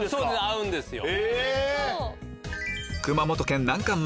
合うんですよ。